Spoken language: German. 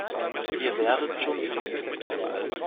Ihr werdet schon sehen.